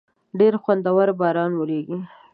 ډېر خوندور باران وریږی